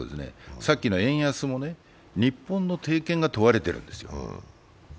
さっきの円安も日本の定見が問われているんですよ。